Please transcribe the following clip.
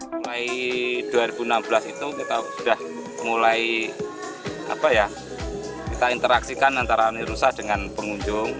mulai dua ribu enam belas itu kita sudah mulai kita interaksikan antara rusa dengan pengunjung